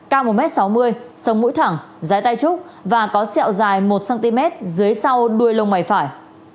cao một m sáu mươi sông mũi thẳng dái tai trúc và có sẹo dài một cm dưới sau đuôi lông mày phải